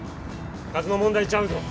数の問題ちゃうぞ。